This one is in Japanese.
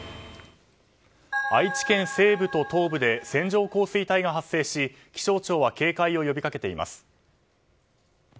愛知県西部と東部で線状降水帯が発生し気象庁は警戒を呼びかけています。